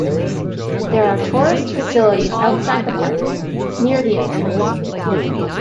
There are tourist facilities outside the park, near the entrance.